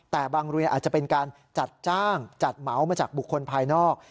แต่บางเรียนอาจจะเป็นการจัดจ้างจัดเหมามาจากบุคคลภายนอก